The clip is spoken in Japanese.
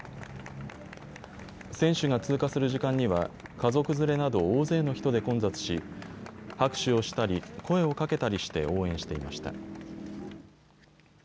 選手が通過する時間には家族連れなど大勢の人で混雑し拍手をしたり声をかけたりして応援していました。